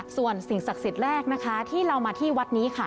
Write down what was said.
ส่วนสิ่งศักดิ์สิทธิ์แรกนะคะที่เรามาที่วัดนี้ค่ะ